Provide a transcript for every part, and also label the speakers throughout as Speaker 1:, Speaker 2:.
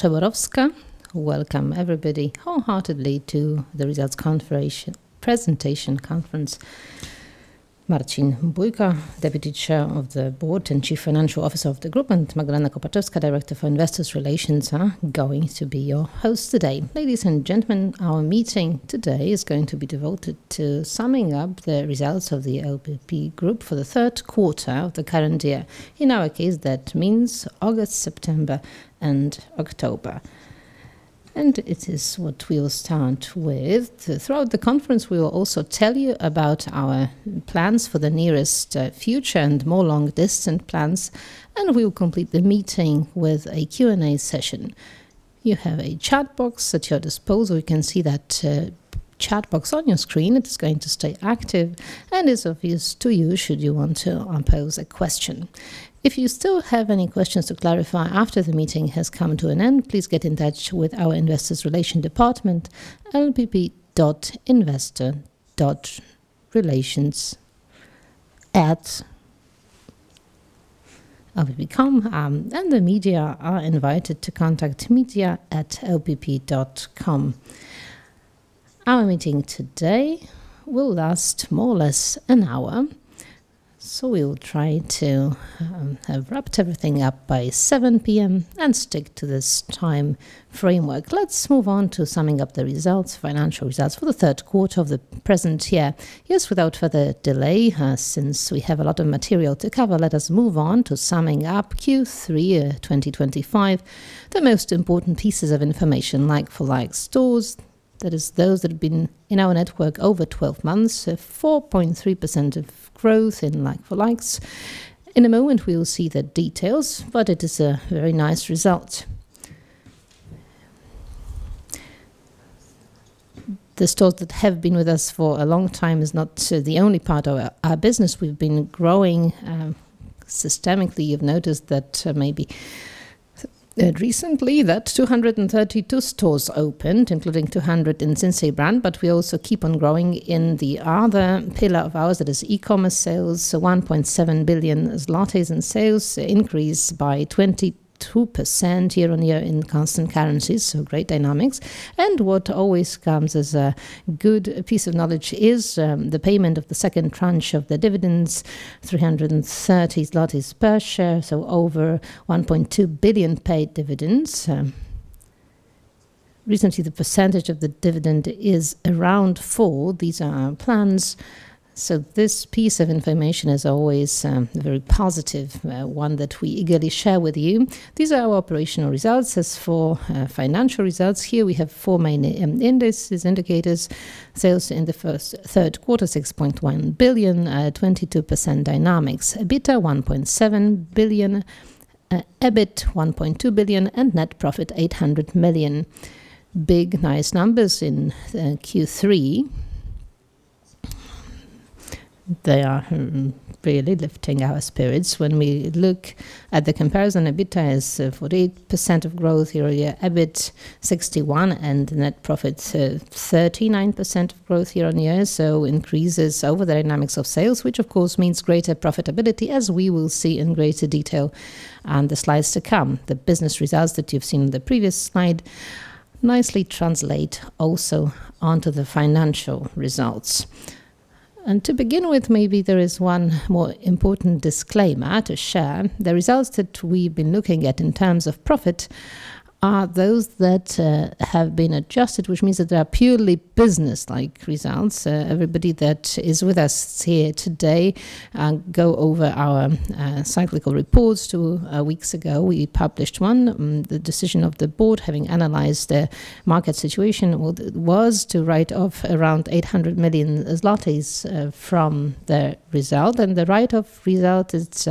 Speaker 1: Szyborowska, welcome everybody wholeheartedly to the Results Confirmation Presentation Conference. Marcin Bójko, Deputy Chair of the Board and Chief Financial Officer of the Group, and Magdalena Kopaczewska, Director for Investor Relations, are going to be your hosts today. Ladies and gentlemen, our meeting today is going to be devoted to summing up the results of the LPP Group for the third quarter of the current year. In our case, that means August, September, and October. And it is what we will start with. Throughout the conference, we will also tell you about our plans for the nearest future and more long-distance plans, and we will complete the meeting with a Q&A session. You have a chat box at your disposal. You can see that chat box on your screen. It is going to stay active and is of use to you should you want to pose a question. If you still have any questions to clarify after the meeting has come to an end, please get in touch with our Investors' Relations Department, lpp.investor.relations@lpp.com, and the media are invited to contact media@lpp.com. Our meeting today will last more or less an hour, so we will try to wrap everything up by 7:00 P.M. and stick to this time framework. Let's move on to summing up the results, financial results for the third quarter of the present year. Yes, without further delay, since we have a lot of material to cover, let us move on to summing up Q3 2025, the most important pieces of information: like-for-like stores, that is, those that have been in our network over 12 months, 4.3% of growth in like-for-likes. In a moment, we will see the details, but it is a very nice result. The stores that have been with us for a long time are not the only part of our business. We've been growing systemically. You've noticed that maybe recently that 232 stores opened, including 200 in Sinsay brand, but we also keep on growing in the other pillar of ours, that is, e-commerce sales. So 1.7 billion in sales increased by 22% year on year in constant currencies. So great dynamics. And what always comes as a good piece of knowledge is the payment of the second tranche of the dividends: 330 zlotys per share, so over 1.2 billion paid dividends. Recently, the percentage of the dividend is around 4%. These are our plans. So this piece of information is always a very positive one that we eagerly share with you. These are our operational results. As for financial results, here we have four main indicators: sales in the first third quarter, 6.1 billion, 22% dynamics, EBITDA 1.7 billion, EBIT 1.2 billion, and net profit 800 million. Big, nice numbers in Q3. They are really lifting our spirits when we look at the comparison. EBITDA is 48% of growth year on year, EBIT 61%, and net profit 39% of growth year on year, so increases over the dynamics of sales, which of course means greater profitability, as we will see in greater detail on the slides to come. The business results that you've seen on the previous slide nicely translate also onto the financial results, and to begin with, maybe there is one more important disclaimer to share. The results that we've been looking at in terms of profit are those that have been adjusted, which means that there are purely business-like results. Everybody that is with us here today, go over our cyclical reports two weeks ago. We published one. The decision of the board, having analyzed the market situation, was to write off around 800 million zlotys from the result. And the write-off result is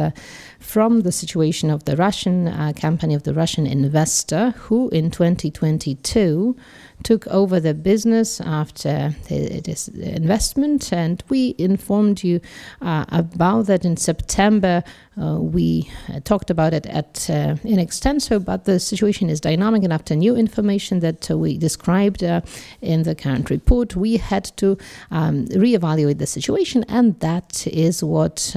Speaker 1: from the situation of the Russian campaign of the Russian investor, who in 2022 took over the business after this investment. And we informed you about that in September. We talked about it in extenso, but the situation is dynamic enough to new information that we described in the current report. We had to reevaluate the situation, and that is what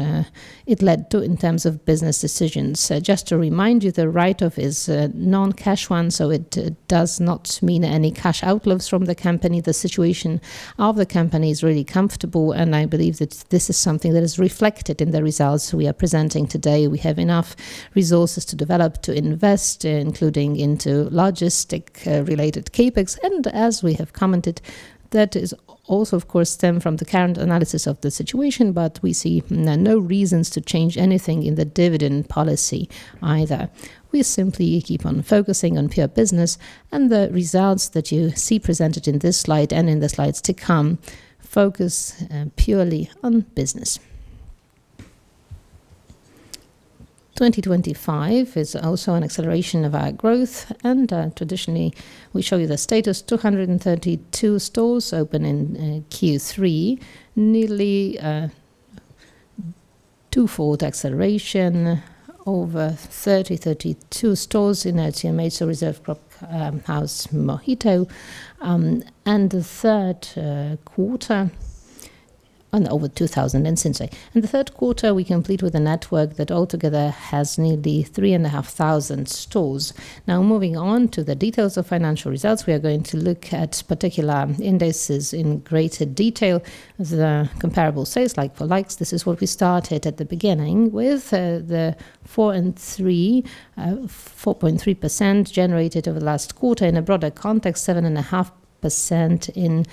Speaker 1: it led to in terms of business decisions. Just to remind you, the write-off is a non-cash one, so it does not mean any cash outflows from the company. The situation of the company is really comfortable, and I believe that this is something that is reflected in the results we are presenting today. We have enough resources to develop, to invest, including into logistic-related Capex. And as we have commented, that is also, of course, stemmed from the current analysis of the situation, but we see no reasons to change anything in the dividend policy either. We simply keep on focusing on pure business, and the results that you see presented in this slide and in the slides to come focus purely on business. 2025 is also an acceleration of our growth, and traditionally, we show you the status: 232 stores open in Q3, nearly two-fold acceleration, over 30, 32 stores in LTMH, so Reserved Cropp House Mohito, and the third quarter and over 2,000 in Sinsay. The third quarter, we complete with a network that altogether has nearly 3,500 stores. Now, moving on to the details of financial results, we are going to look at particular indices in greater detail: the comparable sales, like-for-likes. This is what we started at the beginning with: the 4.3% generated over the last quarter. In a broader context, 7.5% in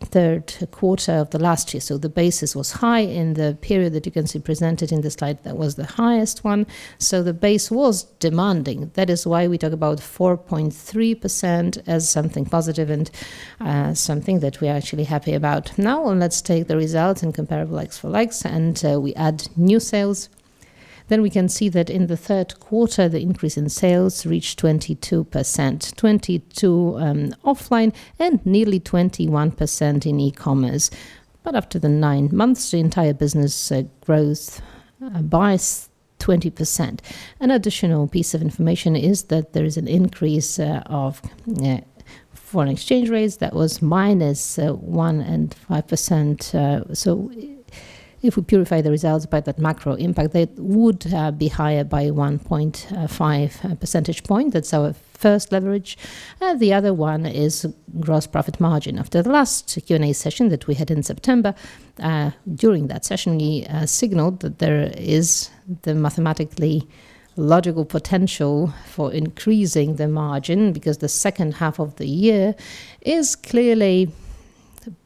Speaker 1: the third quarter of the last year. The basis was high in the period that you can see presented in the slide. That was the highest one. The base was demanding. That is why we talk about 4.3% as something positive and something that we are actually happy about. Now, let's take the results and comparable like-for-likes, and we add new sales. Then we can see that in the third quarter, the increase in sales reached 22%, 22% offline, and nearly 21% in e-commerce. But after the nine months, the entire business growth by 20%. An additional piece of information is that there is an increase of foreign exchange rates that was minus 1.5%. So if we purify the results by that macro impact, that would be higher by 1.5 percentage points. That's our first leverage. The other one is gross profit margin. After the last Q&A session that we had in September, during that session, we signaled that there is the mathematically logical potential for increasing the margin because the second half of the year is clearly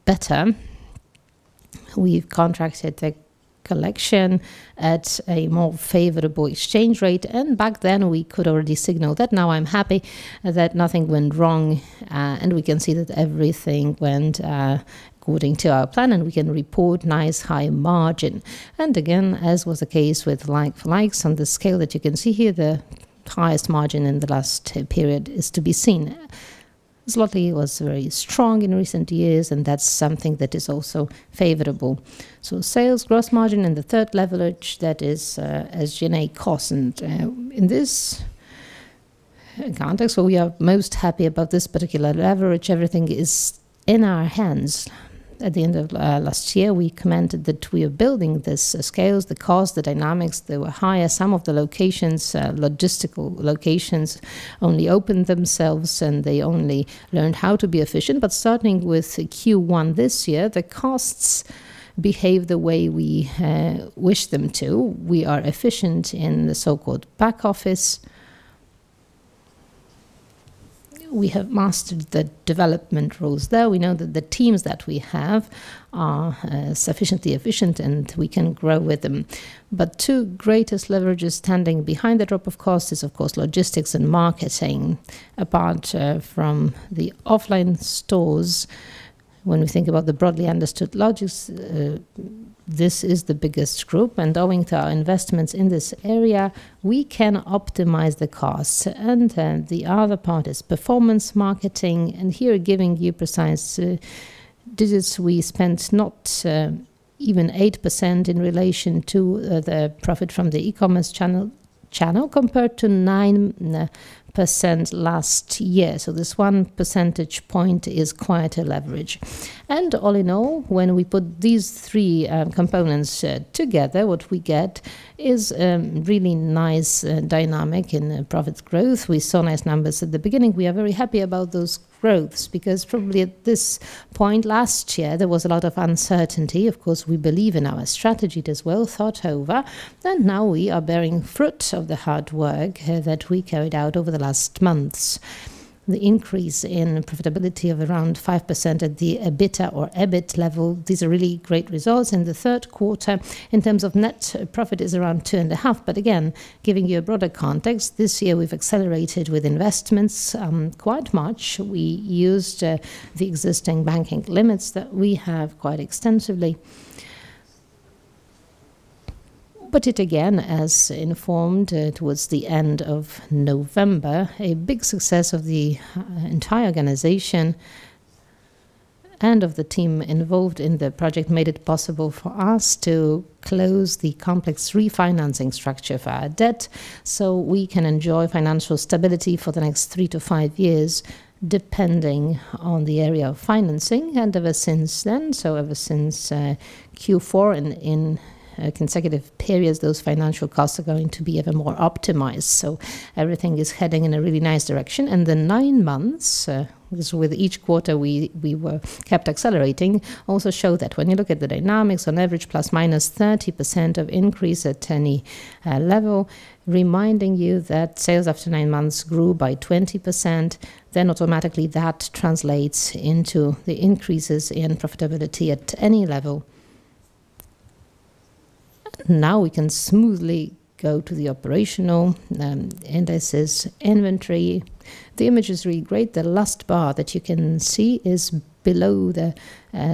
Speaker 1: better. We've contracted the collection at a more favorable exchange rate, and back then, we could already signal that. Now, I'm happy that nothing went wrong, and we can see that everything went according to our plan, and we can report nice high margin. And again, as was the case with like-for-likes on the scale that you can see here, the highest margin in the last period is to be seen. The zloty was very strong in recent years, and that's something that is also favorable. So sales, gross margin in the third leverage, that is, as G&A costs. And in this context, where we are most happy about this particular leverage, everything is in our hands. At the end of last year, we commented that we are building this scale. The cost, the dynamics, they were higher. Some of the locations, logistical locations, only opened themselves, and they only learned how to be efficient. But starting with Q1 this year, the costs behave the way we wish them to. We are efficient in the so-called back office. We have mastered the development rules there. We know that the teams that we have are sufficiently efficient, and we can grow with them, but two greatest leverages standing behind the drop of cost is, of course, logistics and marketing. Apart from the offline stores, when we think about the broadly understood logistics, this is the biggest group, and owing to our investments in this area, we can optimize the cost, and the other part is performance marketing, and here, giving you precise digits, we spent not even 8% in relation to the profit from the e-commerce channel compared to 9% last year, so this one percentage point is quite a leverage, and all in all, when we put these three components together, what we get is a really nice dynamic in profits growth. We saw nice numbers at the beginning. We are very happy about those growths because probably at this point last year, there was a lot of uncertainty. Of course, we believe in our strategy. It is well thought over, and now we are bearing fruit of the hard work that we carried out over the last months. The increase in profitability of around 5% at the EBITDA or EBIT level, these are really great results. In the third quarter, in terms of net profit, it is around 2.5, but again, giving you a broader context, this year, we've accelerated with investments quite much. We used the existing banking limits that we have quite extensively. But it, again, as informed towards the end of November, a big success of the entire organization and of the team involved in the project made it possible for us to close the complex refinancing structure for our debt so we can enjoy financial stability for the next three-five years, depending on the area of financing. And ever since then, so ever since Q4 in consecutive periods, those financial costs are going to be even more optimized. So everything is heading in a really nice direction. And the nine months, with each quarter, we were kept accelerating, also showed that when you look at the dynamics, on average, plus minus 30% of increase at any level, reminding you that sales after nine months grew by 20%. Then automatically, that translates into the increases in profitability at any level. Now we can smoothly go to the operational indices, inventory. The image is really great. The last bar that you can see is below the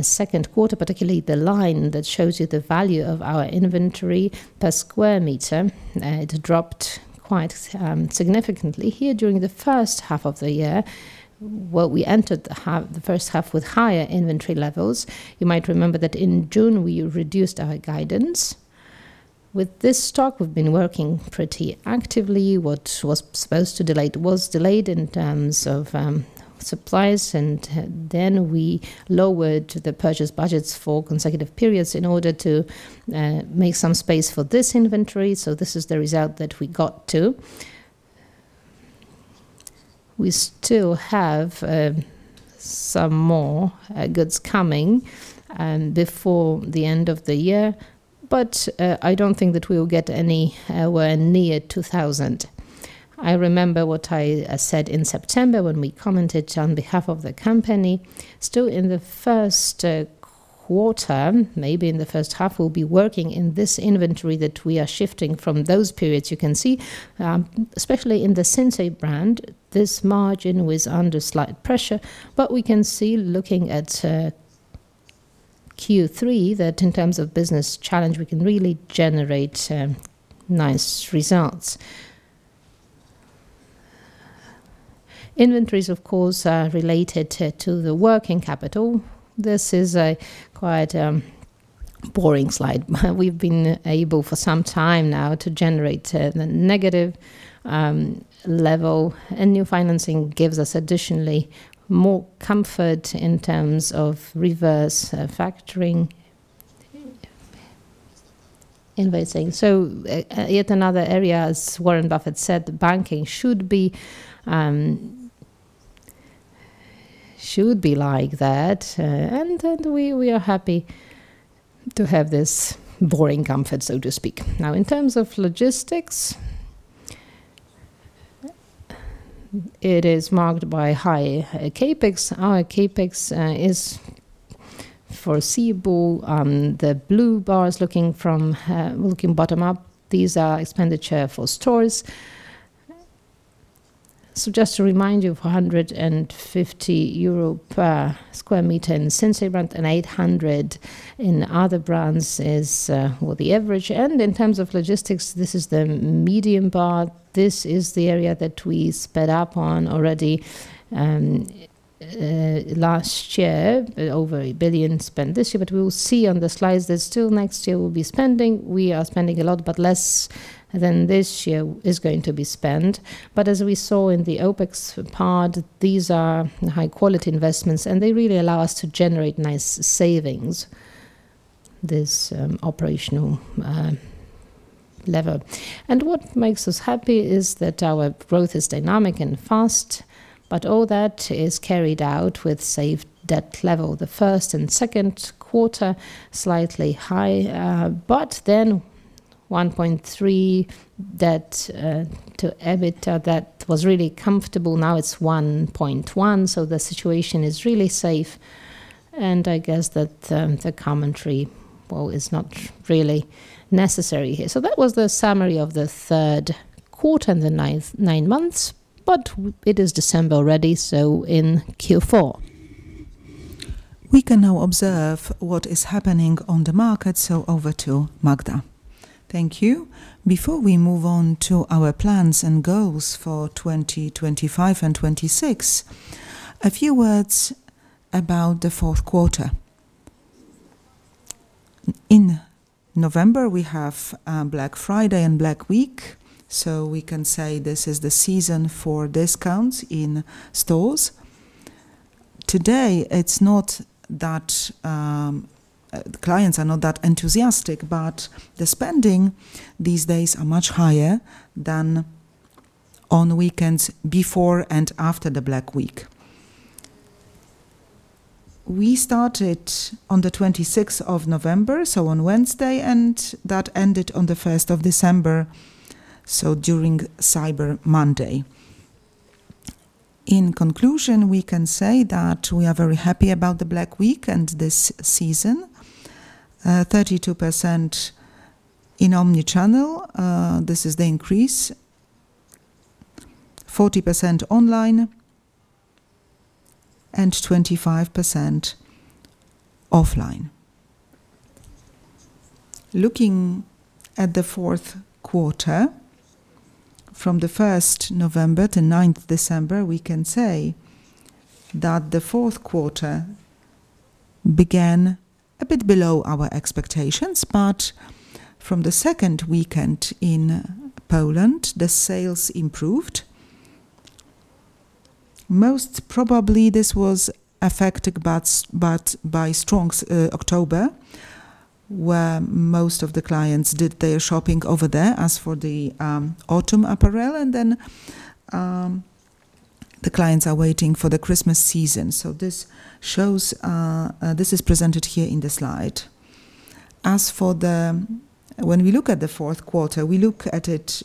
Speaker 1: second quarter, particularly the line that shows you the value of our inventory per square meter. It dropped quite significantly here during the first half of the year, we entered the first half with higher inventory levels. You might remember that in June, we reduced our guidance. With this stock, we've been working pretty actively. What was supposed to delay was delayed in terms of supplies, and then we lowered the purchase budgets for consecutive periods in order to make some space for this inventory, so this is the result that we got to. We still have some more goods coming before the end of the year, but I don't think that we will get anywhere near 2,000. I remember what I said in September when we commented on behalf of the company. Still, in the first quarter, maybe in the first half, we'll be working in this inventory that we are shifting from those periods. You can see, especially in the Sinsay brand, this margin was under slight pressure. But we can see, looking at Q3, that in terms of business challenge, we can really generate nice results. Inventories, of course, are related to the working capital. This is a quite boring slide. We've been able for some time now to generate the negative level. And new financing gives us additionally more comfort in terms of reverse factoring investment. So yet another area, as Warren Buffett said, banking should be like that. And we are happy to have this boring comfort, so to speak. Now, in terms of logistics, it is marked by high CapEx. Our CapEx is foreseeable. The blue bar is looking from bottom up. These are expenditures for stores, so just to remind you, 450 euro per square meter in the Sinsay brand and 800 in other brands is the average. And in terms of logistics, this is the median bar. This is the area that we sped up on already last year, over a billion spent this year, but we will see on the slides that still next year we'll be spending. We are spending a lot, but less than this year is going to be spent. But as we saw in the OPEX part, these are high-quality investments, and they really allow us to generate nice savings, this operational lever. And what makes us happy is that our growth is dynamic and fast, but all that is carried out with safe debt level. The first and second quarter, slightly high, but then 1.3 debt to EBITDA that was really comfortable. Now it's 1.1, so the situation is really safe. And I guess that the commentary, well, is not really necessary here. So that was the summary of the third quarter and the nine months, but it is December already, so in Q4. We can now observe what is happening on the market. So over to Magdalena.
Speaker 2: Thank you. Before we move on to our plans and goals for 2025 and 2026, a few words about the fourth quarter. In November, we have Black Friday and Black Week, so we can say this is the season for discounts in stores. Today, it's not that clients are not that enthusiastic, but the spending these days is much higher than on weekends before and after the Black Week. We started on the 26th of November, so on Wednesday, and that ended on the 1st of December, so during Cyber Monday. In conclusion, we can say that we are very happy about the Black Week and this season. 32% in omnichannel. This is the increase. 40% online and 25% offline. Looking at the fourth quarter, from the 1st November to 9th December, we can say that the fourth quarter began a bit below our expectations, but from the second weekend in Poland, the sales improved. Most probably, this was affected by strong October where most of the clients did their shopping over there as for the autumn apparel, and then the clients are waiting for the Christmas season, so this is presented here in the slide. When we look at the fourth quarter, we look at it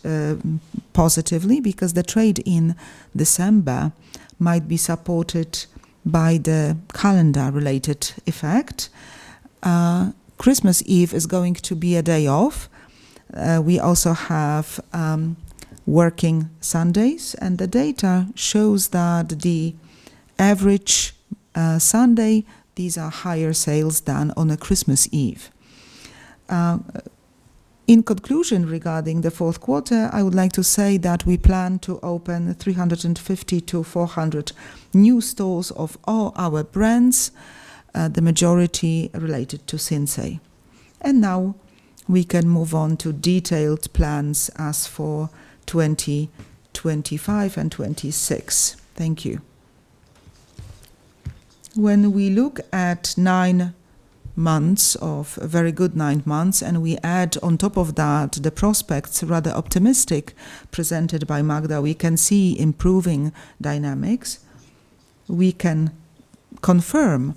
Speaker 2: positively because the trade in December might be supported by the calendar-related effect. Christmas Eve is going to be a day off. We also have working Sundays, and the data shows that the average Sunday, these are higher sales than on a Christmas Eve. In conclusion, regarding the fourth quarter, I would like to say that we plan to open 350-400 new stores of all our brands, the majority related to Sinsay. And now we can move on to detailed plans as for 2025 and 2026. Thank you. When we look at nine months of very good nine months, and we add on top of that the prospects rather optimistic presented by Magdalena, we can see improving dynamics. We can confirm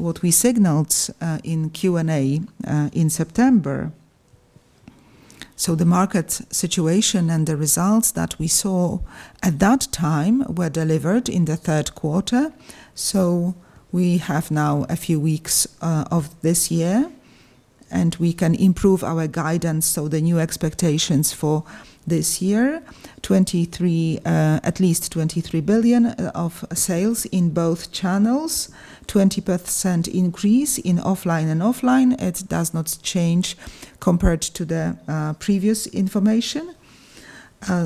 Speaker 2: what we signaled in Q&A in September. So the market situation and the results that we saw at that time were delivered in the third quarter. So we have now a few weeks of this year, and we can improve our guidance. So the new expectations for this year, at least 23 billion of sales in both channels, 20% increase in online and offline. It does not change compared to the previous information.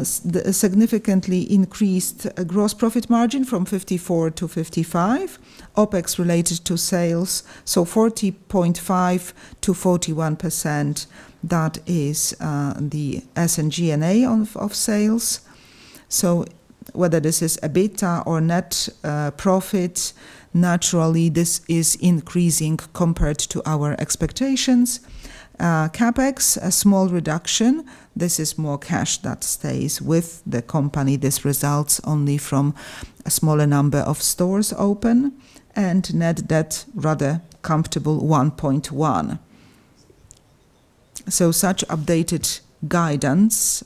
Speaker 2: Significantly increased gross profit margin from 54%-55%. OPEX related to sales, so 40.5%-41%. That is the S and G&A of sales. So whether this is EBITDA or net profit, naturally, this is increasing compared to our expectations. Capex, a small reduction. This is more cash that stays with the company. This results only from a smaller number of stores open and net debt, rather comfortable 1.1. So such updated guidance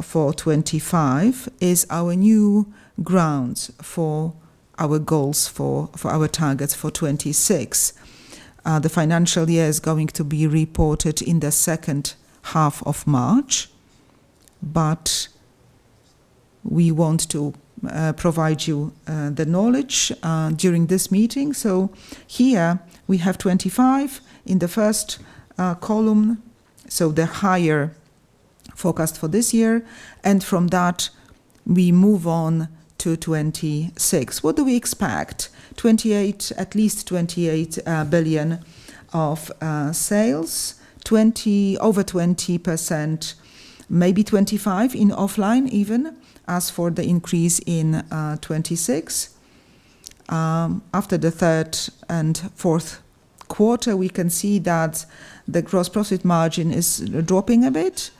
Speaker 2: for 2025 is our new grounds for our goals, for our targets for 2026. The financial year is going to be reported in the second half of March, but we want to provide you the knowledge during this meeting. So here we have 2025 in the first column, so the higher forecast for this year. And from that, we move on to 2026. What do we expect? At least €28 billion of sales, over 20%, maybe €25 in offline even as for the increase in 2026. After the third and fourth quarter, we can see that the gross profit margin is dropping a bit.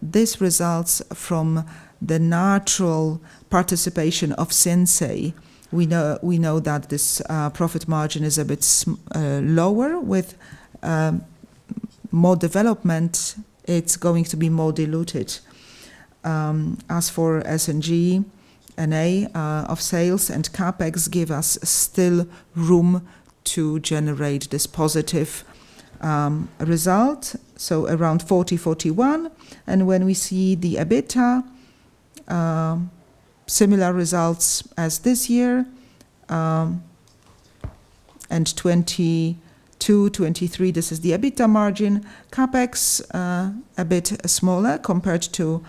Speaker 2: This results from the natural participation of Sinsay. We know that this profit margin is a bit lower. With more development, it's going to be more diluted. As for SG&A of sales and CapEx, give us still room to generate this positive result, so around 40, 41. And when we see the EBITDA, similar results as this year. And 22, 23, this is the EBITDA margin. CapEx a bit smaller compared to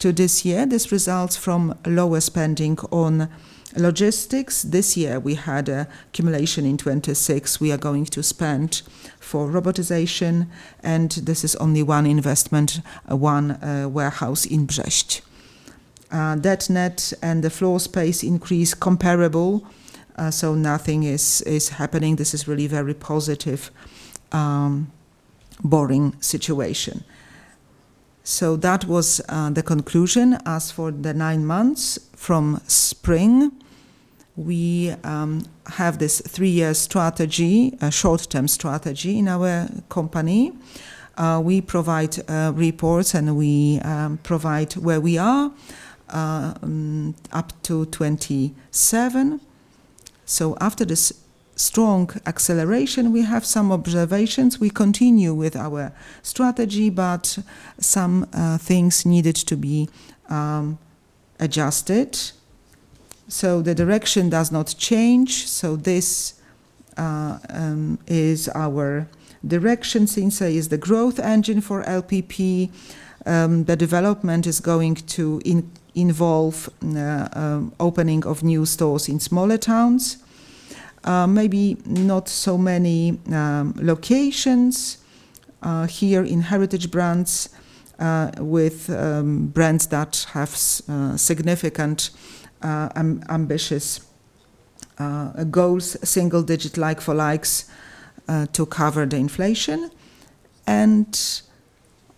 Speaker 2: this year. This results from lower spending on logistics. This year, we had an accumulation in 2026. We are going to spend for robotization, and this is only one investment, one warehouse in Brześć. Net debt and the floor space increase comparable, so nothing is happening. This is really very positive, boring situation. So that was the conclusion. As for the nine months from spring, we have this three-year strategy, a short-term strategy in our company. We provide reports and we provide where we are up to 2027. So after this strong acceleration, we have some observations. We continue with our strategy, but some things needed to be adjusted. So the direction does not change. So this is our direction. Sinsay is the growth engine for LPP. The development is going to involve opening of new stores in smaller towns, maybe not so many locations here in heritage brands with brands that have significant ambitious goals, single-digit like-for-likes to cover the inflation.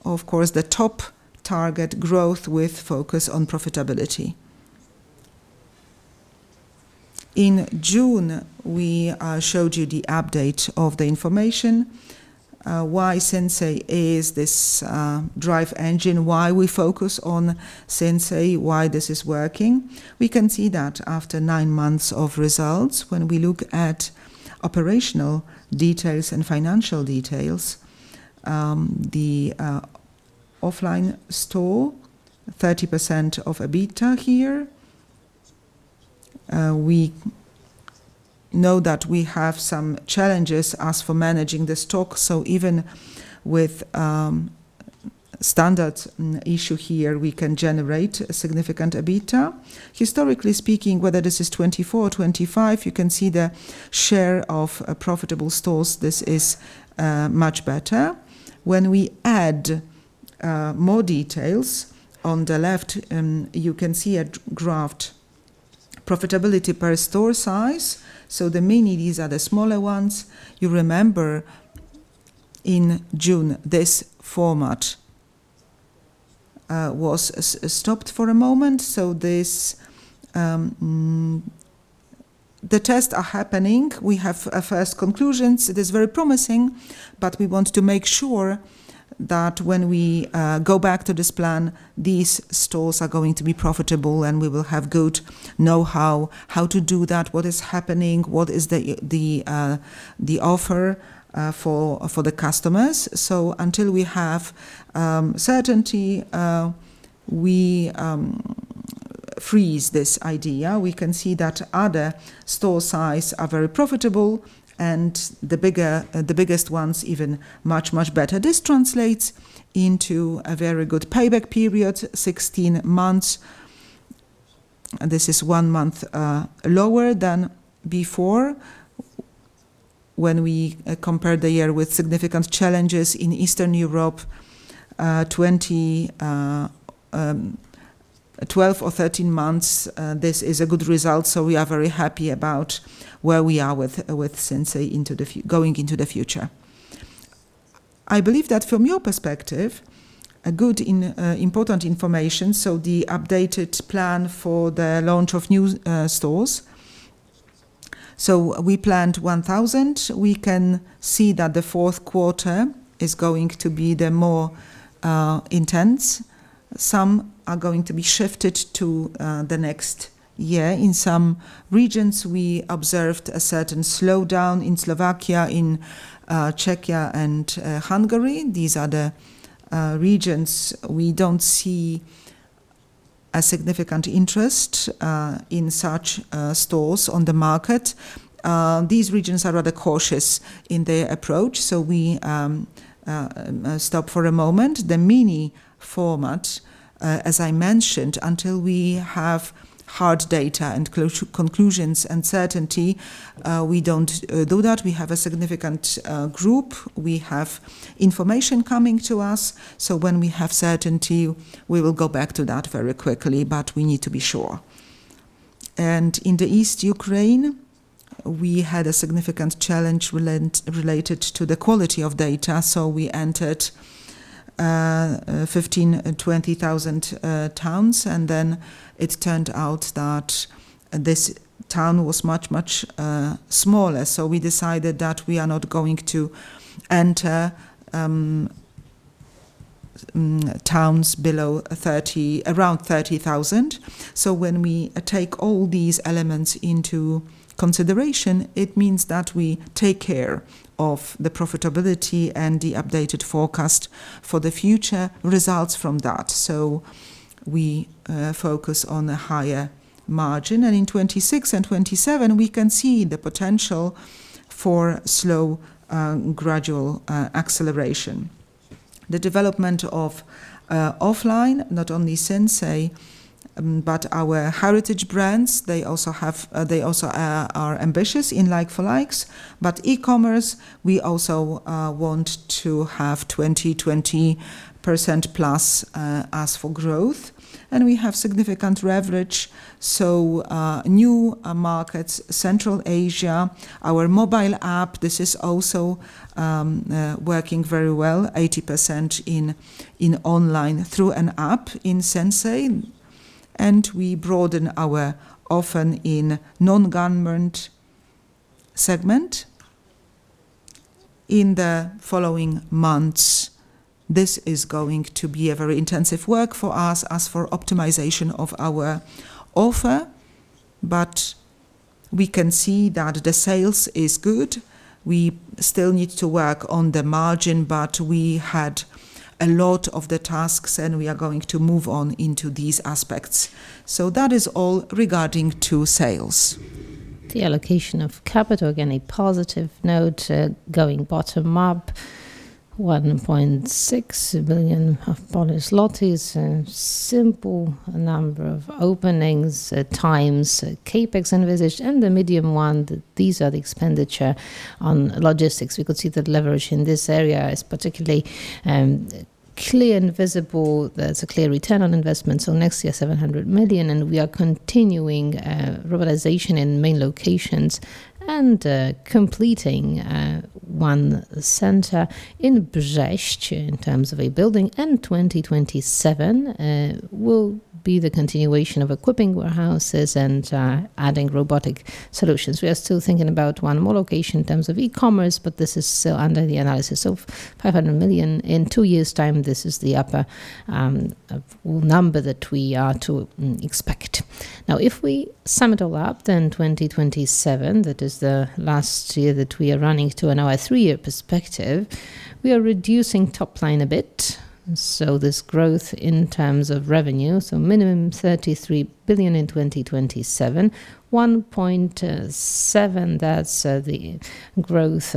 Speaker 2: Of course, the top target growth with focus on profitability. In June, we showed you the update of the information. Why Sinsay is this drive engine, why we focus on Sinsay, why this is working. We can see that after nine months of results, when we look at operational details and financial details, the offline store, 30% of EBITDA here. We know that we have some challenges as for managing the stock. So even with standard issue here, we can generate a significant EBITDA. Historically speaking, whether this is 24 or 25, you can see the share of profitable stores, this is much better. When we add more details on the left, you can see a graph, profitability per store size. So the mini, these are the smaller ones. You remember in June, this format was stopped for a moment. So the tests are happening. We have first conclusions. It is very promising, but we want to make sure that when we go back to this plan, these stores are going to be profitable and we will have good know-how how to do that, what is happening, what is the offer for the customers. So until we have certainty, we freeze this idea. We can see that other store size are very profitable and the biggest ones even much, much better. This translates into a very good payback period, 16 months. This is one month lower than before. When we compare the year with significant challenges in Eastern Europe, 12 or 13 months, this is a good result. We are very happy about where we are with Sinsay going into the future. I believe that from your perspective, a good important information. The updated plan for the launch of new stores. We planned 1,000. We can see that the fourth quarter is going to be the more intense. Some are going to be shifted to the next year. In some regions, we observed a certain slowdown in Slovakia, in Czechia, and Hungary. These are the regions we don't see a significant interest in such stores on the market. These regions are rather cautious in their approach. We stop for a moment. The mini format, as I mentioned, until we have hard data and conclusions and certainty, we don't do that. We have a significant group. We have information coming to us. So when we have certainty, we will go back to that very quickly, but we need to be sure. And in eastern Ukraine, we had a significant challenge related to the quality of data. So we entered 15,000, 20,000 towns, and then it turned out that this town was much, much smaller. So we decided that we are not going to enter towns below around 30,000. So when we take all these elements into consideration, it means that we take care of the profitability and the updated forecast for the future results from that. So we focus on a higher margin. And in 2026 and 2027, we can see the potential for slow, gradual acceleration. The development of offline, not only Sinsay, but our heritage brands, they also are ambitious in like-for-likes. E-commerce, we also want to have 20-20% plus as for growth. We have significant leverage. New markets, Central Asia, our mobile app, this is also working very well, 80% in online through an app in Sinsay. We broaden our offer in non-garment segment. In the following months, this is going to be a very intensive work for us as for optimization of our offer. We can see that the sales is good. We still need to work on the margin, but we had a lot of the tasks, and we are going to move on into these aspects. That is all regarding sales.
Speaker 1: The allocation of capital again, a positive note, going bottom up, 1.6 billion, simple number of openings, times CapEx envisaged, and the main one, these are the expenditure on logistics. We could see that leverage in this area is particularly clear and visible. There's a clear return on investment. So next year, 700 million, and we are continuing robotization in main locations and completing one center in Brześć in terms of a building, and 2027 will be the continuation of equipping warehouses and adding robotic solutions. We are still thinking about one more location in terms of e-commerce, but this is still under the analysis of 500 million. In two years' time, this is the upper number that we are to expect. Now, if we sum it all up, then 2027, that is the last year that we are running to another three-year perspective, we are reducing top line a bit, so this growth in terms of revenue, so minimum 33 billion in 2027, 1.7, that's the growth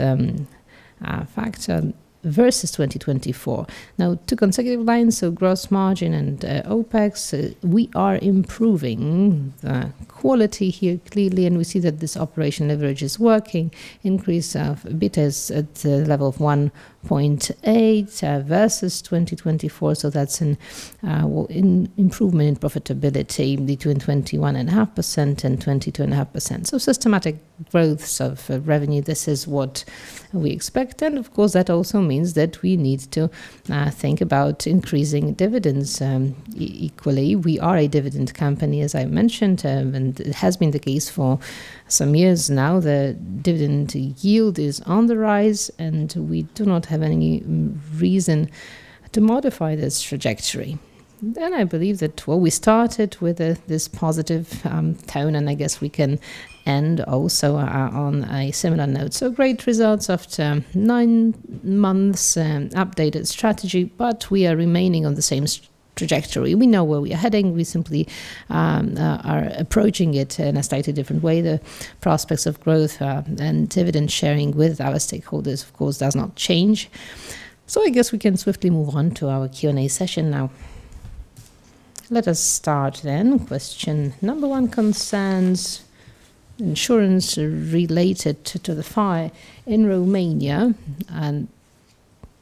Speaker 1: factor versus 2024. Now, two consecutive lines, so gross margin and OPEX, we are improving the quality here clearly, and we see that this operational leverage is working. Increase of EBITDA is at the level of 1.8 versus 2024. So that's an improvement in profitability, between 21.5% and 22.5%. So systematic growth of revenue, this is what we expect. And of course, that also means that we need to think about increasing dividends equally. We are a dividend company, as I mentioned, and it has been the case for some years now. The dividend yield is on the rise, and we do not have any reason to modify this trajectory. And I believe that, well, we started with this positive tone, and I guess we can end also on a similar note. So great results after nine months, updated strategy, but we are remaining on the same trajectory. We know where we are heading. We simply are approaching it in a slightly different way. The prospects of growth and dividend sharing with our stakeholders, of course, does not change. So I guess we can swiftly move on to our Q&A session now. Let us start then. Question number one concerns insurance related to the fire in Romania. And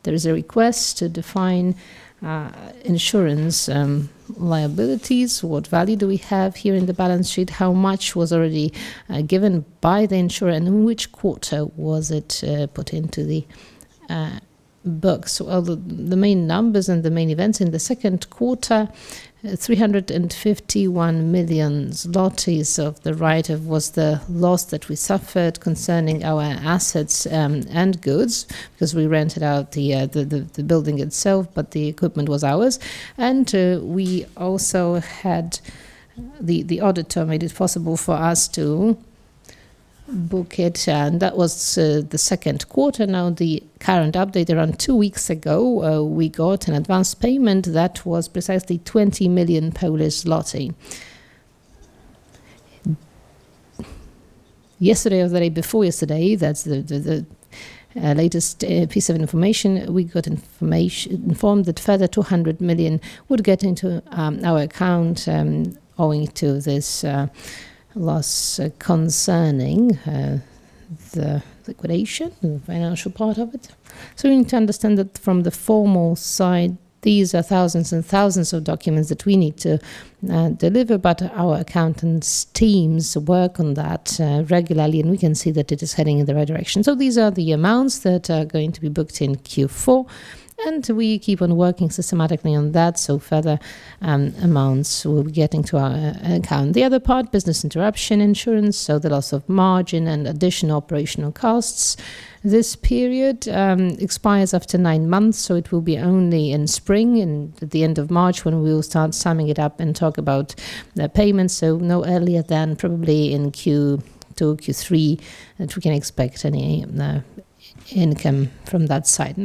Speaker 1: there is a request to define insurance liabilities. What value do we have here in the balance sheet? How much was already given by the insurer? And in which quarter was it put into the books? Well, the main numbers and the main events in the second quarter, 351 million zlotys of the write-off was the loss that we suffered concerning our assets and goods because we rented out the building itself, but the equipment was ours. We also had the auditor made it possible for us to book it. That was the second quarter. Now, the current update, around two weeks ago, we got an advance payment that was precisely 20 million Polish zloty. Yesterday or the day before yesterday, that's the latest piece of information. We got informed that further 200 million would get into our account owing to this loss concerning the liquidation, the financial part of it. We need to understand that from the formal side, these are thousands and thousands of documents that we need to deliver, but our accountants' teams work on that regularly, and we can see that it is heading in the right direction. These are the amounts that are going to be booked in Q4, and we keep on working systematically on that. Further amounts will be getting to our account. The other part, business interruption insurance, so the loss of margin and additional operational costs. This period expires after nine months, so it will be only in spring, at the end of March, when we will start summing it up and talk about the payments, so no earlier than probably in Q2, Q3, that we can expect any income from that side.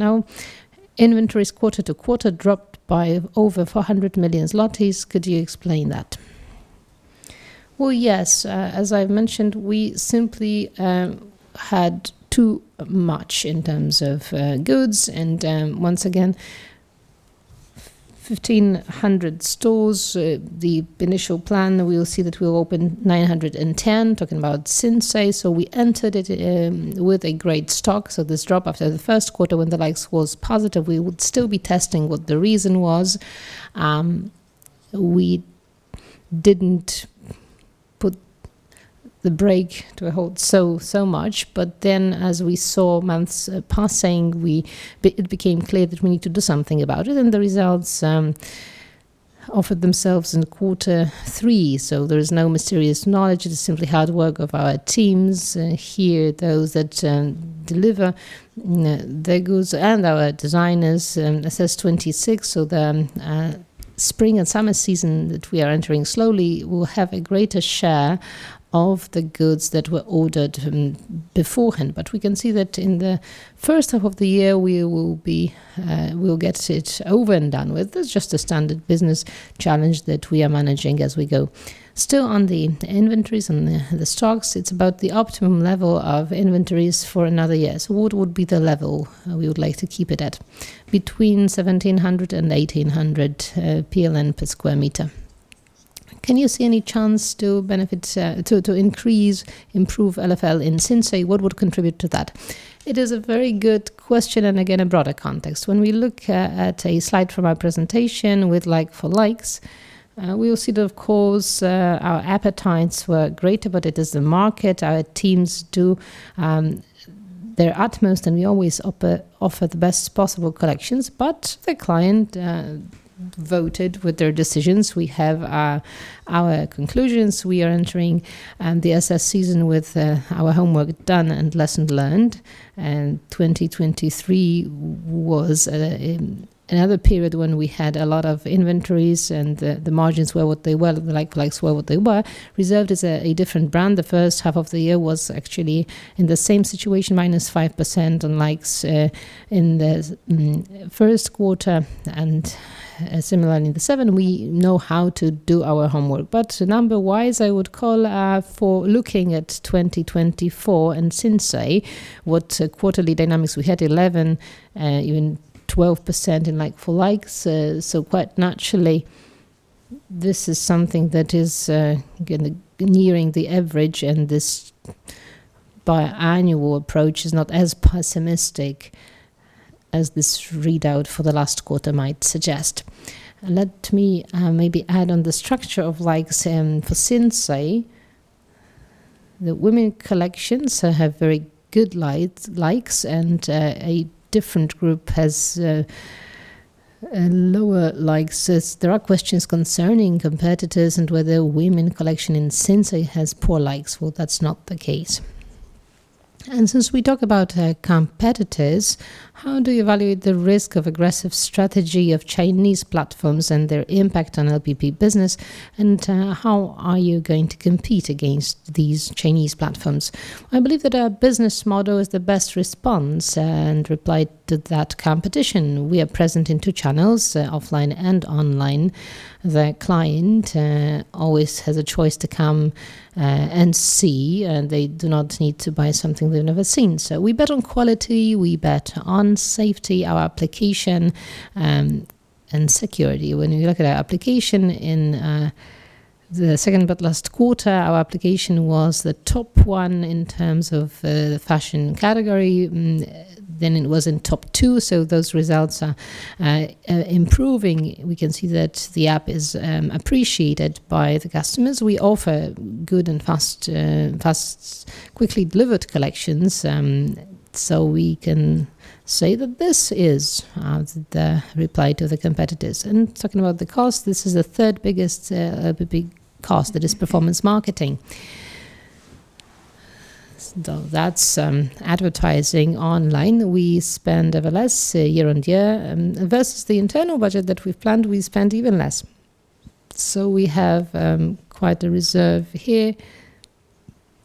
Speaker 1: Now, inventory quarter to quarter dropped by over 400 million zlotys. Could you explain that? Well, yes. As I've mentioned, we simply had too much in terms of goods. And once again, 1,500 stores, the initial plan, we'll see that we'll open 910, talking about Sinsay. So we entered it with a great stock. So this drop after the first quarter, when the LFLs was positive, we would still be testing what the reason was. We didn't put the brake to hold so much. But then, as we saw months passing, it became clear that we need to do something about it. And the results offered themselves in quarter three. So there is no mysterious knowledge. It is simply hard work of our teams here, those that deliver their goods and our designers. Assess 26. So the spring and summer season that we are entering slowly will have a greater share of the goods that were ordered beforehand. But we can see that in the first half of the year, we will get it over and done with. That's just a standard business challenge that we are managing as we go. Still on the inventories and the stocks, it's about the optimum level of inventories for another year. So what would be the level we would like to keep it at? Between 1,700 PLN and 1,800 PLN per sq m. Can you see any chance to increase, improve LFL in Sinsay? What would contribute to that? It is a very good question and again, a broader context. When we look at a slide from our presentation with like-for-likes, we will see that, of course, our appetites were greater, but it is the market. Our teams do their utmost, and we always offer the best possible collections. The client voted with their decisions. We have our conclusions. We are entering the autumn season with our homework done and lessons learned. 2023 was another period when we had a lot of inventories and the margins were what they were. The like-for-likes were what they were. Reserved is a different brand. The first half of the year was actually in the same situation, minus 5% on likes in the first quarter and similarly in the second. We know how to do our homework. But number-wise, I would call for looking at 2024 and Sinsay, what quarterly dynamics we had, 11, even 12% in like-for-likes. So quite naturally, this is something that is nearing the average, and this biannual approach is not as pessimistic as this readout for the last quarter might suggest. Let me maybe add on the structure of likes for Sinsay. The women collections have very good likes, and a different group has lower likes. There are questions concerning competitors and whether women collection in Sinsay has poor likes. Well, that's not the case. And since we talk about competitors, how do you evaluate the risk of aggressive strategy of Chinese platforms and their impact on LPP business? And how are you going to compete against these Chinese platforms? I believe that our business model is the best response and reply to that competition. We are present in two channels, offline and online. The client always has a choice to come and see, and they do not need to buy something they've never seen. So we bet on quality. We bet on safety, our application, and security. When we look at our application in the second but last quarter, our application was the top one in terms of the fashion category. Then it was in top two. So those results are improving. We can see that the app is appreciated by the customers. We offer good and fast, quickly delivered collections. So we can say that this is the reply to the competitors. And talking about the cost, this is the third biggest LPP cost, that is performance marketing. That's advertising online. We spend ever less year on year. Versus the internal budget that we've planned, we spend even less. So we have quite a reserve here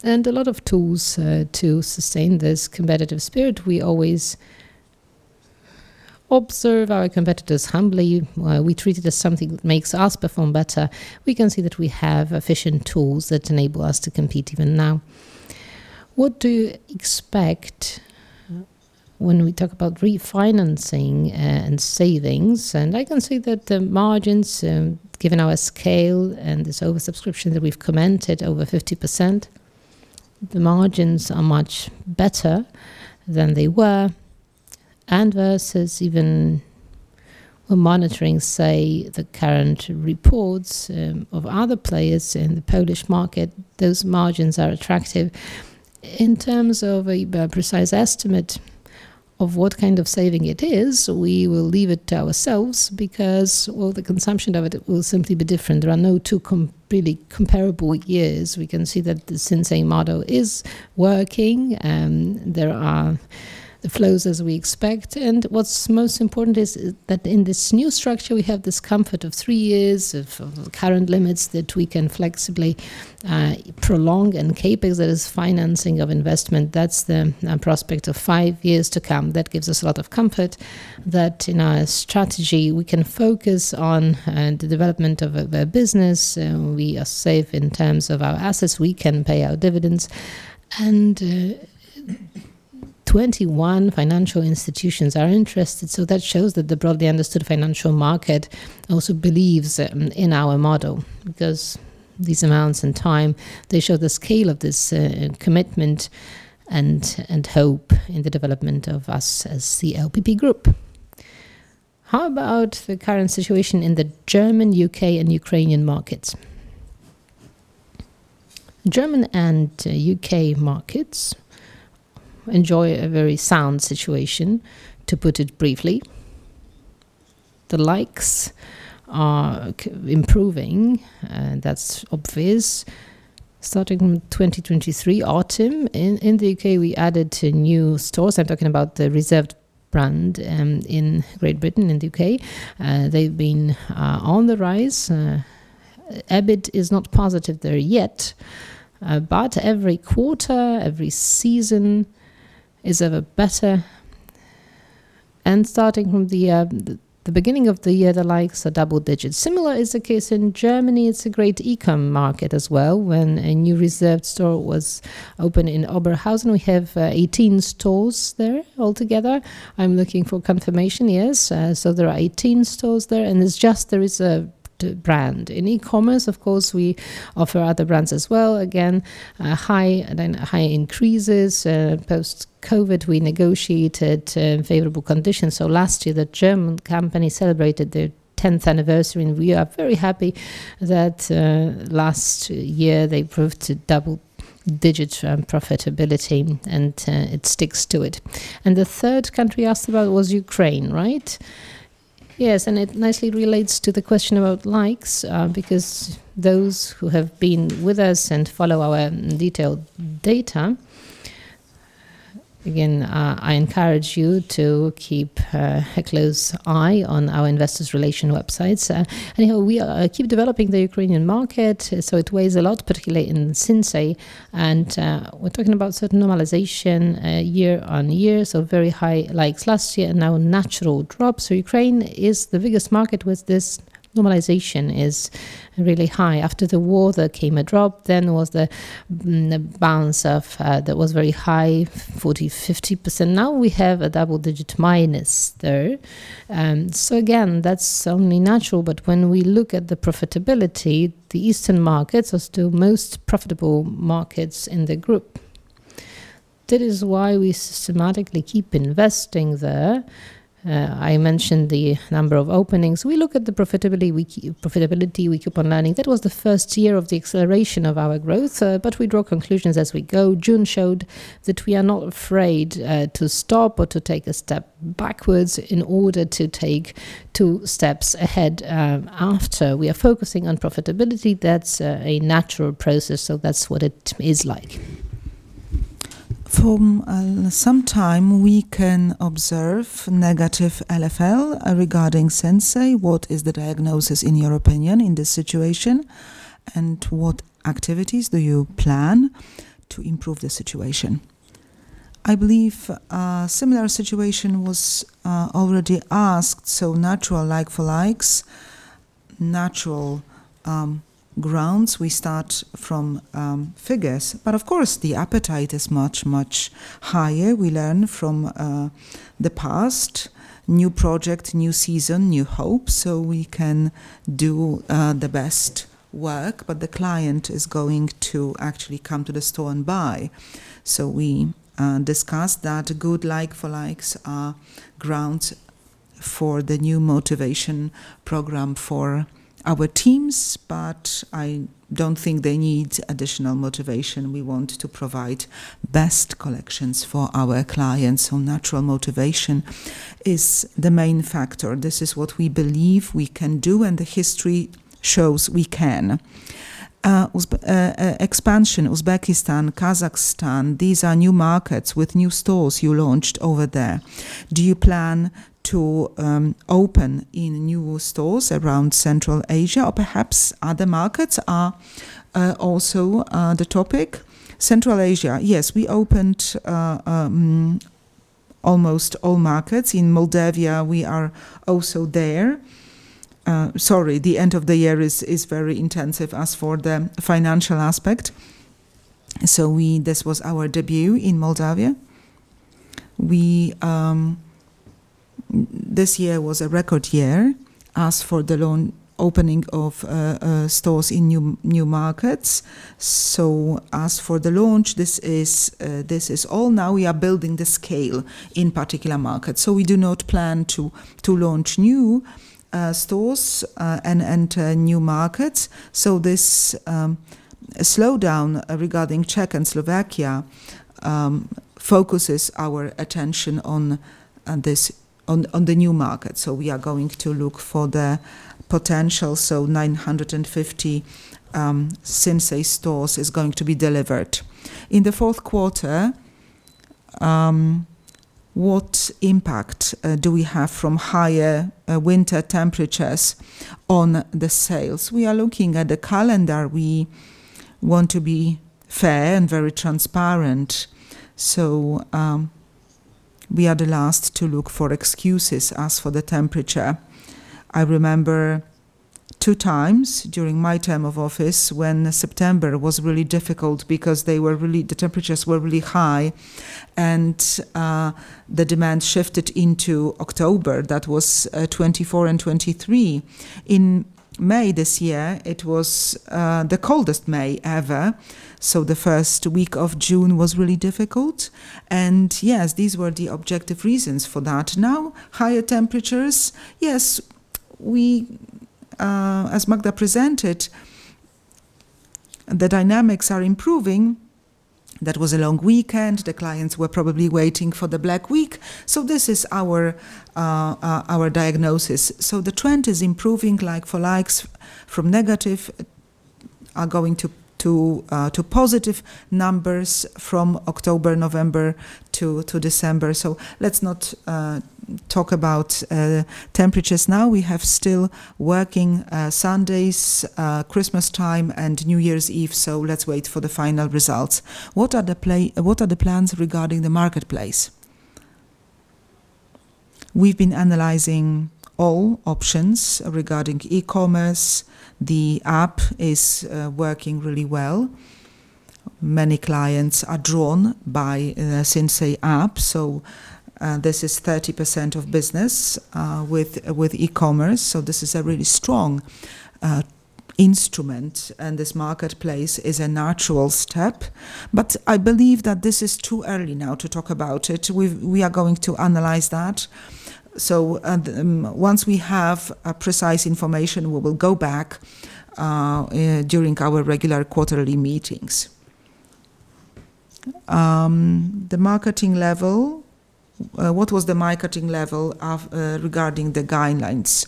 Speaker 1: and a lot of tools to sustain this competitive spirit. We always observe our competitors humbly. We treat it as something that makes us perform better. We can see that we have efficient tools that enable us to compete even now. What do you expect when we talk about refinancing and savings? And I can see that the margins, given our scale and this oversubscription that we've commented over 50%, the margins are much better than they were. And versus even monitoring, say, the current reports of other players in the Polish market, those margins are attractive. In terms of a precise estimate of what kind of saving it is, we will leave it to ourselves because, well, the consumption of it will simply be different. There are no two completely comparable years. We can see that the Sinsay model is working, and there are the flows as we expect. And what's most important is that in this new structure, we have this comfort of three years of current limits that we can flexibly prolong and CapEx that is financing of investment. That's the prospect of five years to come. That gives us a lot of comfort that in our strategy, we can focus on the development of our business. We are safe in terms of our assets. We can pay our dividends. And 21 financial institutions are interested. So that shows that the broadly understood financial market also believes in our model because these amounts and time, they show the scale of this commitment and hope in the development of us as the LPP Group. How about the current situation in the German, U.K., and Ukrainian markets? German and UK markets enjoy a very sound situation, to put it briefly. The likes are improving. That's obvious. Starting from 2023 autumn, in the UK, we added new stores. I'm talking about the Reserved brand in Great Britain, in the UK. They've been on the rise. EBIT is not positive there yet, but every quarter, every season is ever better. And starting from the beginning of the year, the likes are double-digit. Similar is the case in Germany. It's a great e-com market as well. When a new Reserved store was open in Oberhausen, we have 18 stores there altogether. I'm looking for confirmation, yes. So there are 18 stores there, and it's just the Reserved brand. In e-commerce, of course, we offer other brands as well. Again, high increases. Post-COVID, we negotiated favorable conditions. So last year, the German company celebrated their 10th anniversary, and we are very happy that last year they proved to double-digit profitability, and it sticks to it. And the third country asked about was Ukraine, right? Yes. And it nicely relates to the question about likes because those who have been with us and follow our detailed data, again, I encourage you to keep a close eye on our investor relations website. Anyhow, we keep developing the Ukrainian market, so it weighs a lot, particularly in Sinsay. And we're talking about sort of normalization year on year, so very high likes last year and now natural drop. So Ukraine is the biggest market with this normalization is really high. After the war, there came a drop. Then was the bounce that was very high, 40%-50%. Now we have a double-digit minus there. So again, that's only natural. But when we look at the profitability, the Eastern markets are still the most profitable markets in the group. That is why we systematically keep investing there. I mentioned the number of openings. We look at the profitability. We keep on learning. That was the first year of the acceleration of our growth, but we draw conclusions as we go. June showed that we are not afraid to stop or to take a step backwards in order to take two steps ahead after. We are focusing on profitability. That's a natural process, so that's what it is like. For some time, we can observe negative LFL regarding Sinsay. What is the diagnosis, in your opinion, in this situation? And what activities do you plan to improve the situation? I believe a similar situation was already asked. So natural like-for-likes, natural grounds. We start from figures. But of course, the appetite is much, much higher. We learn from the past. New project, new season, new hope. So we can do the best work, but the client is going to actually come to the store and buy. So we discuss that good like-for-likes are grounds for the new motivation program for our teams, but I don't think they need additional motivation. We want to provide best collections for our clients. So natural motivation is the main factor. This is what we believe we can do, and the history shows we can. Expansion, Uzbekistan, Kazakhstan, these are new markets with new stores you launched over there. Do you plan to open in new stores around Central Asia or perhaps other markets are also the topic? Central Asia, yes. We opened almost all markets. In Moldova, we are also there. Sorry, the end of the year is very intensive as for the financial aspect. So this was our debut in Moldova. This year was a record year as for the opening of stores in new markets. So as for the launch, this is all now we are building the scale in particular markets. So we do not plan to launch new stores and enter new markets. So this slowdown regarding Czechia and Slovakia focuses our attention on the new markets. So we are going to look for the potential. So 950 Sinsay stores is going to be delivered. In the fourth quarter, what impact do we have from higher winter temperatures on the sales? We are looking at the calendar. We want to be fair and very transparent. So we are the last to look for excuses as for the temperature. I remember two times during my term of office when September was really difficult because the temperatures were really high, and the demand shifted into October. That was 2024 and 2023. In May this year, it was the coldest May ever, so the first week of June was really difficult. And yes, these were the objective reasons for that. Now, higher temperatures. Yes, as Magda presented, the dynamics are improving. That was a long weekend. The clients were probably waiting for the Black Week. So this is our diagnosis. So the trend is improving. Like-for-likes from negative are going to positive numbers from October, November to December. So let's not talk about temperatures now. We have still working Sundays, Christmas time, and New Year's Eve. So let's wait for the final results. What are the plans regarding the marketplace? We've been analyzing all options regarding e-commerce. The app is working really well. Many clients are drawn by the Sinsay app. So this is 30% of business with e-commerce. So this is a really strong instrument, and this marketplace is a natural step. But I believe that this is too early now to talk about it. We are going to analyze that. So once we have precise information, we will go back during our regular quarterly meetings. The marketing level, what was the marketing level regarding the guidelines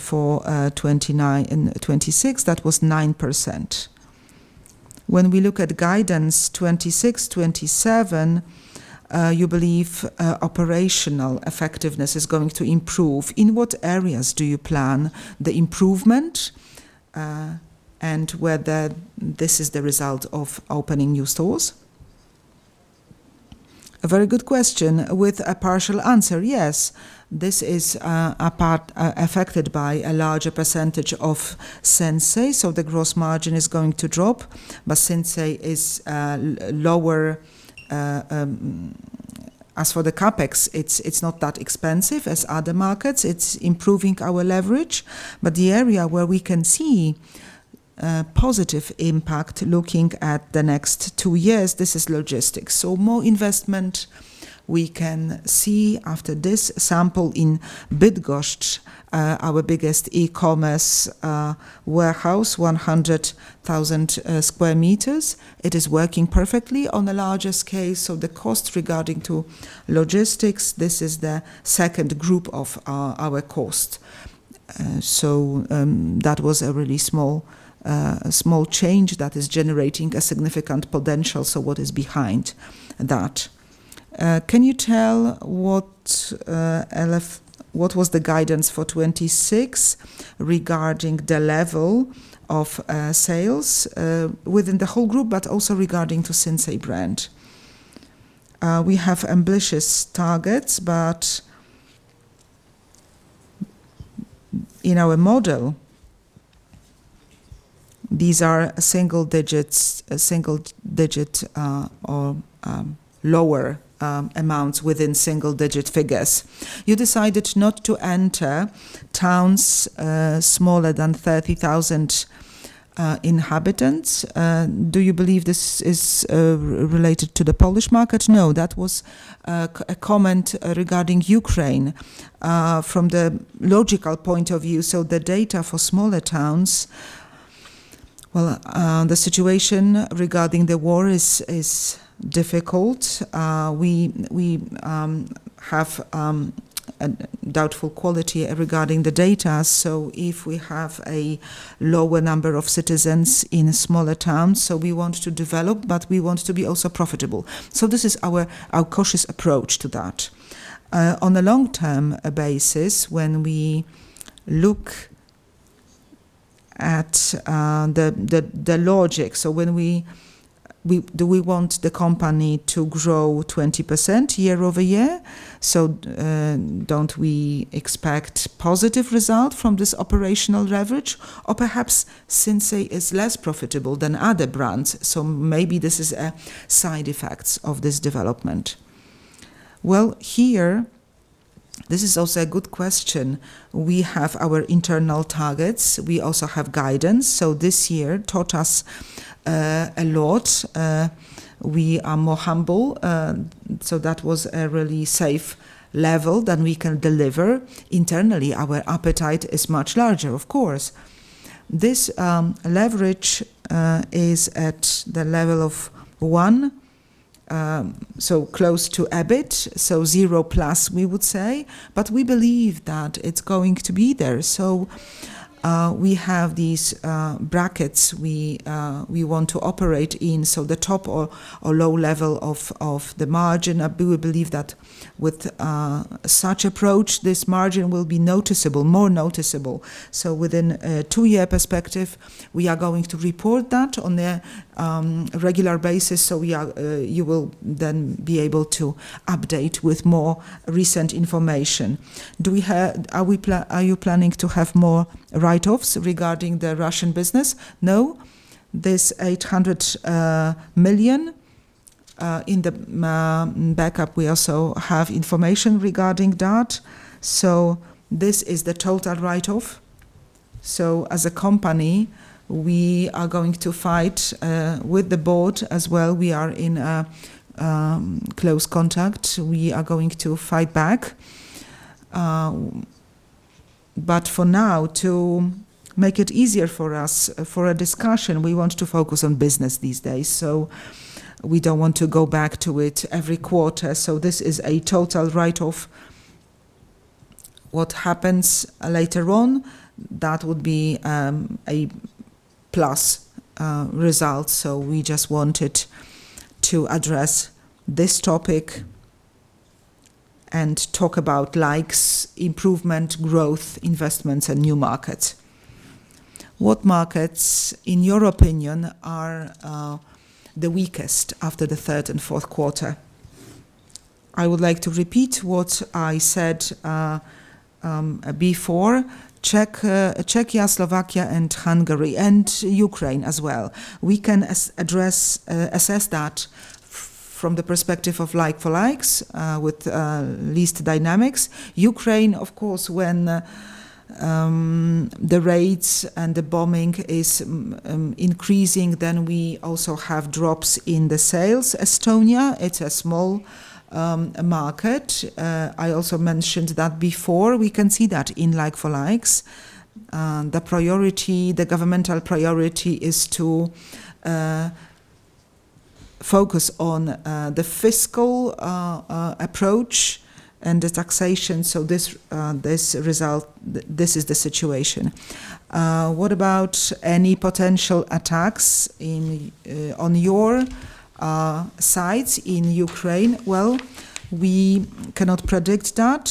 Speaker 1: for 2029 and 2026? That was 9%. When we look at guidance 2026, 2027, you believe operational effectiveness is going to improve. In what areas do you plan the improvement and whether this is the result of opening new stores? A very good question. With a partial answer, yes. This is affected by a larger percentage of Sinsay. So the gross margin is going to drop, but Sinsay is lower. As for the CapEx, it's not that expensive as other markets. It's improving our leverage. But the area where we can see positive impact looking at the next two years, this is logistics. So more investment we can see after this sample in Bydgoszcz, our biggest e-commerce warehouse, 100,000 square meters. It is working perfectly on the largest scale. So the cost regarding logistics, this is the second group of our cost. So that was a really small change that is generating a significant potential. So what is behind that? Can you tell what was the guidance for 2026 regarding the level of sales within the whole group, but also regarding the Sinsay brand? We have ambitious targets, but in our model, these are single-digit or lower amounts within single-digit figures. You decided not to enter towns smaller than 30,000 inhabitants. Do you believe this is related to the Polish market? No. That was a comment regarding Ukraine from the logical point of view. So the data for smaller towns, well, the situation regarding the war is difficult. We have doubtful quality regarding the data. So if we have a lower number of citizens in smaller towns, so we want to develop, but we want to be also profitable. So this is our cautious approach to that. On a long-term basis, when we look at the logic, so do we want the company to grow 20% year-over-year? So don't we expect positive results from this operational leverage? Or perhaps Sinsay is less profitable than other brands. So maybe this is a side effect of this development. Well, here, this is also a good question. We have our internal targets. We also have guidance. So this year taught us a lot. We are more humble. So that was a really safe level that we can deliver. Internally, our appetite is much larger, of course. This leverage is at the level of one, so close to EBIT, so zero plus, we would say. But we believe that it's going to be there. So we have these brackets we want to operate in. So the top or low level of the margin. We believe that with such approach, this margin will be noticeable, more noticeable. So within a two-year perspective, we are going to report that on a regular basis. So you will then be able to update with more recent information. Are you planning to have more write-offs regarding the Russian business? No. This 800 million in the backup, we also have information regarding that. So this is the total write-off. As a company, we are going to fight with the board as well. We are in close contact. We are going to fight back. But for now, to make it easier for us for a discussion, we want to focus on business these days. So we don't want to go back to it every quarter. So this is a total write-off. What happens later on, that would be a plus result. So we just wanted to address this topic and talk about LFLs, improvement, growth, investments, and new markets. What markets, in your opinion, are the weakest after the third and fourth quarter? I would like to repeat what I said before. Czechia, Slovakia, and Hungary, and Ukraine as well. We can assess that from the perspective of like-for-likes with least dynamics. Ukraine, of course, when the rates and the bombing is increasing, then we also have drops in the sales. Estonia, it's a small market. I also mentioned that before. We can see that in like-for-likes. The governmental priority is to focus on the fiscal approach and the taxation. This result, this is the situation. What about any potential attacks on your sites in Ukraine? We cannot predict that.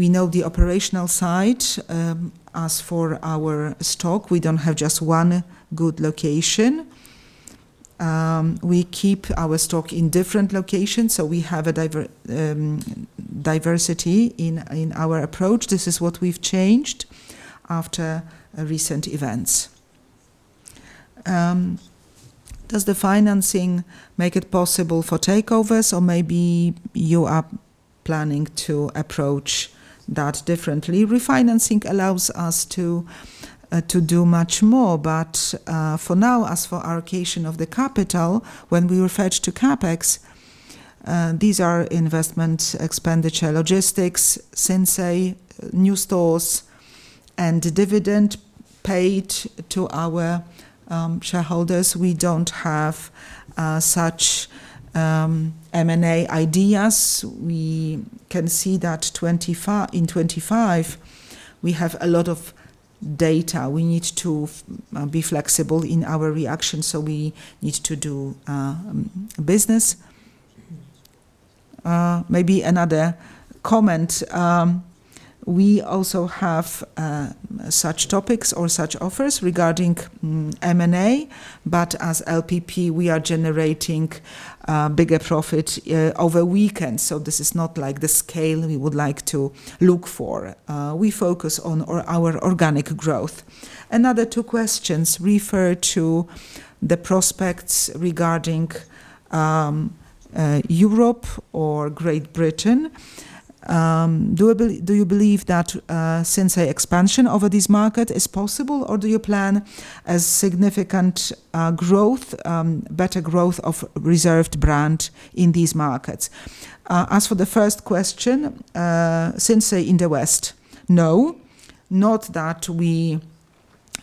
Speaker 1: We know the operational side. As for our stock, we don't have just one good location. We keep our stock in different locations. So we have a diversity in our approach. This is what we've changed after recent events. Does the financing make it possible for takeovers? Or maybe you are planning to approach that differently? Refinancing allows us to do much more. But for now, as for allocation of the capital, when we refer to CapEx, these are investment, expenditure, logistics, Sinsay, new stores, and dividend paid to our shareholders. We don't have such M&A ideas. We can see that in 2025, we have a lot of data. We need to be flexible in our reaction. So we need to do business. Maybe another comment. We also have such topics or such offers regarding M&A. But as LPP, we are generating bigger profits over weekends. So this is not like the scale we would like to look for. We focus on our organic growth. Another two questions refer to the prospects regarding Europe or Great Britain. Do you believe that Sinsay expansion over this market is possible? Or do you plan a significant growth, better growth of Reserved brand in these markets? As for the first question, Sinsay in the West? No. Not that we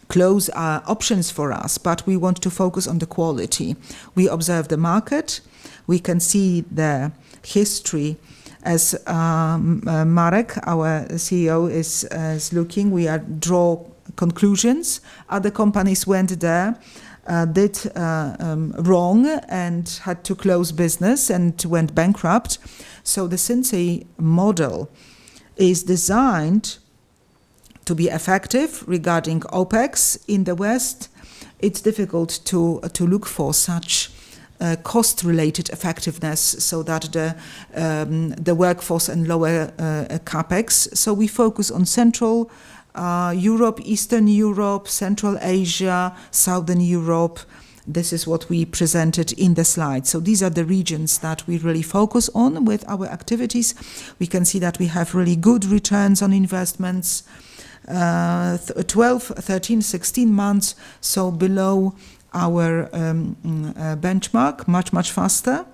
Speaker 1: close our options for us, but we want to focus on the quality. We observe the market. We can see the history as Marek, our CEO, is looking. We draw conclusions. Other companies went there, did wrong, and had to close business and went bankrupt. So the Sinsay model is designed to be effective regarding OPEX in the West. It's difficult to look for such cost-related effectiveness so that the workforce and lower Capex. So we focus on Central Europe, Eastern Europe, Central Asia, Southern Europe. This is what we presented in the slides. So these are the regions that we really focus on with our activities. We can see that we have really good returns on investments, 12, 13, 16 months. So below our benchmark, much, much faster.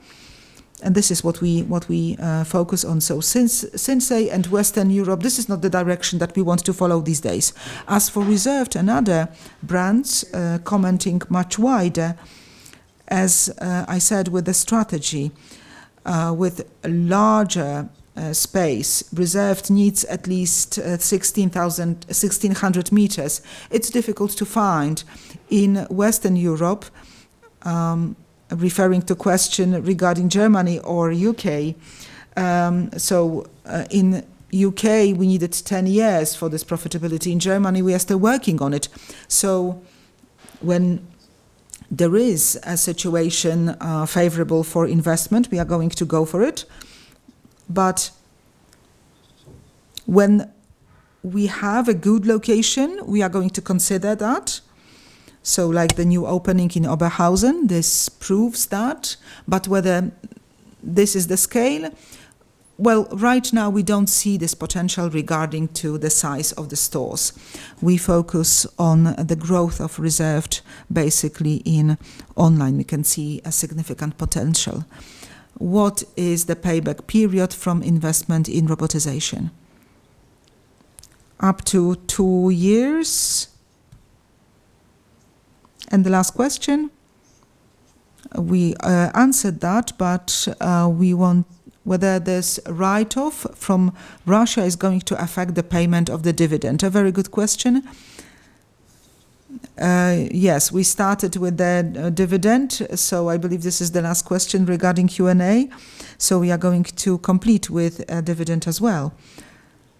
Speaker 1: And this is what we focus on. So Sinsay and Western Europe, this is not the direction that we want to follow these days. As for Reserved, another brand commenting much wider, as I said, with the strategy, with larger space, Reserved needs at least 16,000, 1,600 meters. It's difficult to find in Western Europe, referring to question regarding Germany or U.K. So in U.K., we needed 10 years for this profitability. In Germany, we are still working on it. So when there is a situation favorable for investment, we are going to go for it. But when we have a good location, we are going to consider that. So like the new opening in Oberhausen, this proves that. But whether this is the scale, well, right now, we don't see this potential regarding the size of the stores. We focus on the growth of Reserved, basically in online. We can see a significant potential. What is the payback period from investment in robotization? Up to two years, and the last question, we answered that, but we want whether this write-off from Russia is going to affect the payment of the dividend. A very good question. Yes, we started with the dividend, so I believe this is the last question regarding Q&A, so we are going to complete with dividend as well.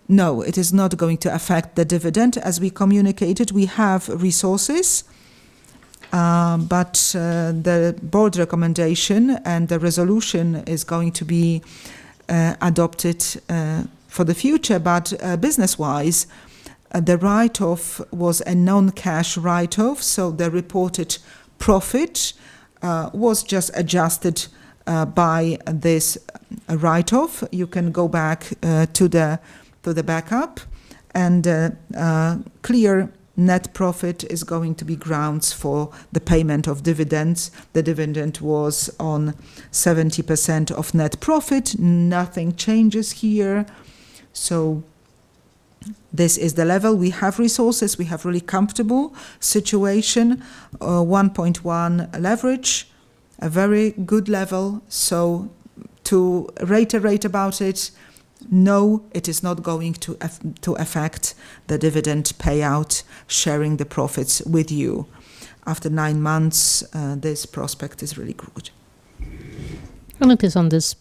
Speaker 1: No, it is not going to affect the dividend. As we communicated, we have resources, but the board recommendation and the resolution is going to be adopted for the future, but business-wise, the write-off was a non-cash write-off, so the reported profit was just adjusted by this write-off. You can go back to the backup, and clear net profit is going to be grounds for the payment of dividends. The dividend was on 70% of net profit. Nothing changes here. So this is the level. We have resources. We have a really comfortable situation. 1.1 leverage, a very good level. So to reiterate about it, no, it is not going to affect the dividend payout, sharing the profits with you. After nine months, this prospect is really good.
Speaker 2: I'll close on this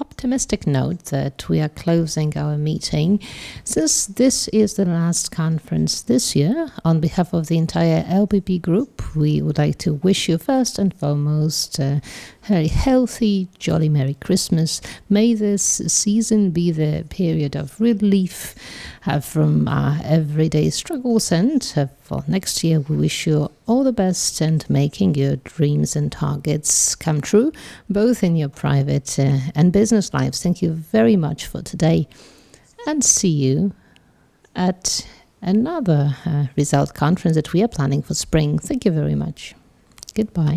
Speaker 2: optimistic note that we are closing our meeting. Since this is the last conference this year, on behalf of the entire LPP Group, we would like to wish you first and foremost a very healthy, jolly Merry Christmas. May this season be the period of relief from everyday struggles. And for next year, we wish you all the best and making your dreams and targets come true, both in your private and business lives. Thank you very much for today. And see you at another result conference that we are planning for spring. Thank you very much. Goodbye.